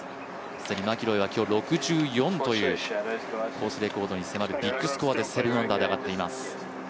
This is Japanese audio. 既にマキロイは今日６４というコースレコードに迫るビッグスコアで７アンダーで上がっています。